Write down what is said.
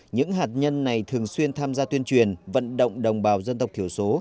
những hạt nhân này thường xuyên tham gia tuyên truyền vận động đồng bào dân tộc thiểu số